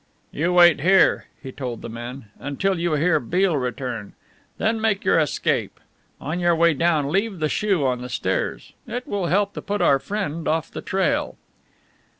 "You wait here," he told the men, "until you hear Beale return. Then make your escape. On your way down leave the shoe on the stairs. It will help to put our friend off the trail."